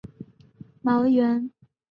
该动画的设计者是茅原伸幸。